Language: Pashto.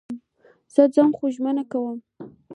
زه ځم خو ژمنه کوم